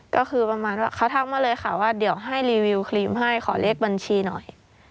ก็คือประมาณว่าเขาทักมาเลยค่ะว่าเดี๋ยวให้รีวิวครีมให้ขอเลขบัญชีหน่อย